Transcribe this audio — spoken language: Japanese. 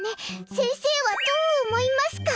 先生はどう思いますか？